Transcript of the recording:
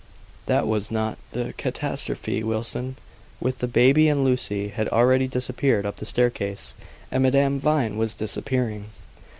That was not the catastrophe. Wilson, with the baby and Lucy, had already disappeared up the staircase, and Madame Vine was disappearing.